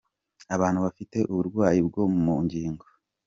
Abantu bafite uburwayi bwo mu ngingo.